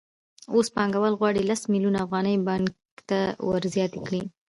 اوس پانګوال غواړي لس میلیونه افغانۍ پانګې ته ورزیاتې کړي